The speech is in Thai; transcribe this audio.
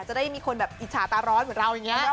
จะได้มีคนแบบอิจฉาตาร้อนเหมือนเราอย่างนี้